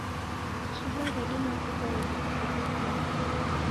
Shimba radima kukaia na kichuku kibaa